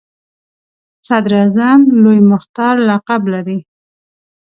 صدراعظم لوی مختار لقب لري.